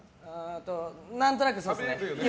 何となくそうっすね。